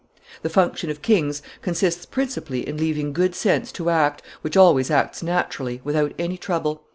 The function of kings consists principally in leaving good sense to act, which always acts naturally without any trouble.